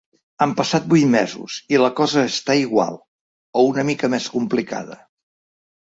Han passat vuit mesos i la cosa està igual… o una mica més complicada.